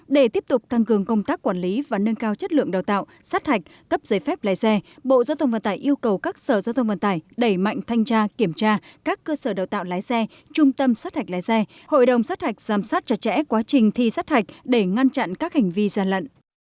để tiếp tục tăng cường công tác quản lý và nâng cao chất lượng đào tạo sát hạch cấp giấy phép lái xe bộ giao thông vận tải yêu cầu các sở giao thông vận tải đẩy mạnh thanh tra kiểm tra các cơ sở đào tạo lái xe trung tâm sát hạch lái xe hội đồng sát hạch giám sát chặt chẽ quá trình thi sát hạch để ngăn chặn các hành vi gian lận